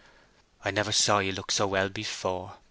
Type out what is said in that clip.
"I never saw you look so well before.